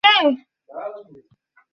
শহরটি মূল্যবান পাথরের জন্য বিখ্যাত।